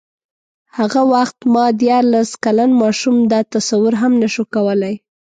هغه وخت ما دیارلس کلن ماشوم دا تصور هم نه شو کولای.